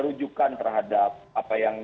rujukan terhadap apa yang